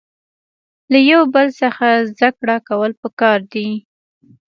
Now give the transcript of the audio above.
له یو بل څخه زده کړه کول پکار دي.